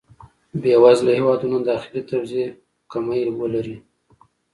بې وزله هېوادونه داخلي توزېع کمی ولري.